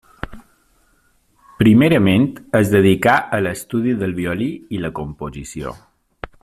Primerament es dedicà a l'estudi del violí i la composició.